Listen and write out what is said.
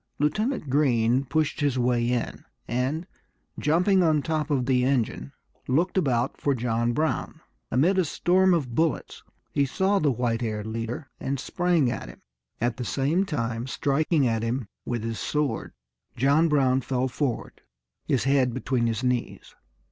Lieutenant Green pushed his way in, and, jumping on top of the engine, looked about for John Brown. Amid a storm of bullets, he saw the white haired leader, and sprang at him, at the same time striking at him with his sword. John Brown fell forward, with his head between his knees.